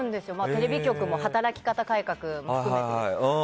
テレビ局も働き方改革を含めて。